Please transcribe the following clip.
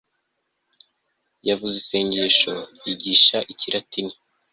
yavuze isengesho, yigisha ikilatini